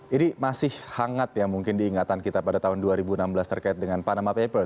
ini masih hangat ya mungkin diingatan kita pada tahun dua ribu enam belas terkait dengan panama papers